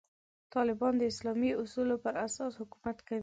طالبان د اسلامي اصولو پر اساس حکومت کوي.